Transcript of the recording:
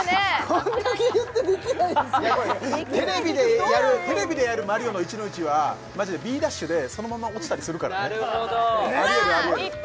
こんだけ言って「できない」の札テレビでやるマリオの１−１はマジでＢダッシュでそのまま落ちたりするからねなるほどえ